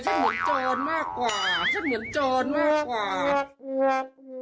ฉันเหมือนโจรมากกว่า